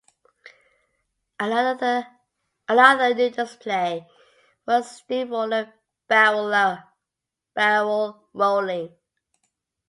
Another new display was steam roller barrel rolling.